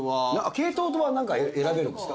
系統は選べるんですか？